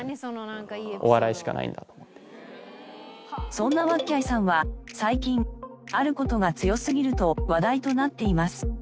そんなわっきゃいさんは最近ある事が強すぎると話題となっています。